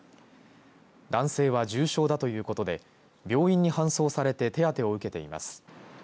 男性は重傷だということで病院に搬送されて手当を受けています。